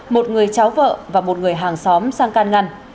một người cháu vợ và một người hàng xóm sang can ngăn